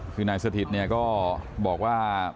คือนายสถิตย์ก็บอกว่า